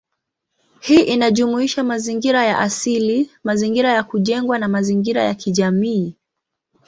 Hii inajumuisha mazingira ya asili, mazingira ya kujengwa, na mazingira ya kijamii.